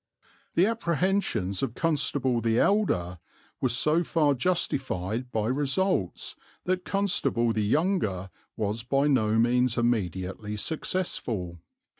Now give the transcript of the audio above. The apprehensions of Constable the elder were so far justified by results that Constable the younger was by no means immediately successful.